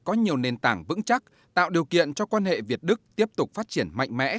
có nhiều nền tảng vững chắc tạo điều kiện cho quan hệ việt đức tiếp tục phát triển mạnh mẽ